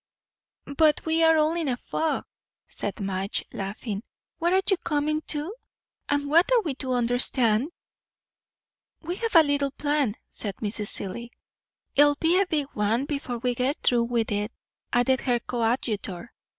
"But we are all in a fog," said Madge, laughing. "What are you coming to? and what are we to understand?" "We have a little plan," said Mrs. Seelye. "It'll be a big one, before we get through with it," added her coadjutor.